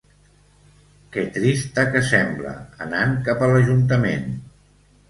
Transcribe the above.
Que trista que sembla, anant cap a l’ajuntament.